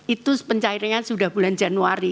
itu pencairannya sudah bulan januari